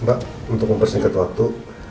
mbak untuk mempersingkat waktu